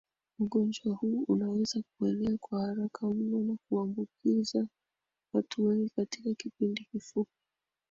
Ugonjwa huu unaweza kuenea kwa haraka mno na kuambukiza watu wengi katika kipindi kifupi